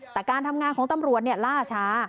แต่การทำงานของตำรวจล่าช้า